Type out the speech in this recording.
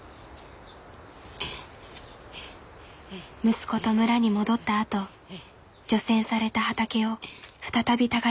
息子と村に戻ったあと除染された畑を再び耕しました。